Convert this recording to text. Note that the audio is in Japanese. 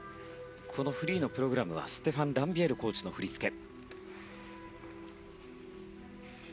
このフリーのプログラムはステファン・ランビエールコーチの振り付け。